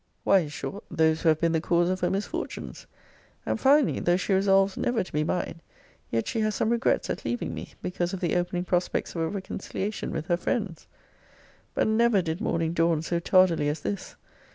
Why, in short, those who have been the cause of her misfortunes. And finally, though she resolves never to be mine, yet she has some regrets at leaving me, because of the opening prospects of a reconciliation with her friends. But never did morning dawn so tardily as this!